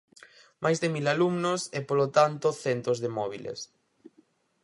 Máis de mil alumnos e, polo tanto, centos de móbiles.